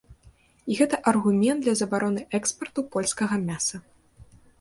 І гэта аргумент для забароны экспарту польскага мяса.